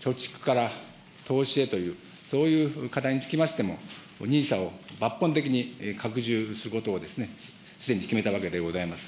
貯蓄から投資へという、そういう課題につきましても、ＮＩＳＡを抜本的に拡充することをすでに決めたわけでございます。